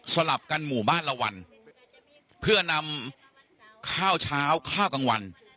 ลับกันหมู่บ้านละวันเพื่อนำข้าวเช้าข้าวกลางวัน